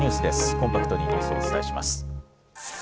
コンパクトにニュースをお伝えします。